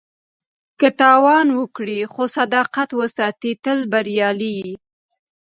که تاوان وکړې خو صداقت وساتې، ته بریالی یې.